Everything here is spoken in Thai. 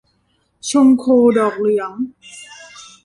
ชงโคดอกเหลือง